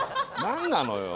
何なのよ。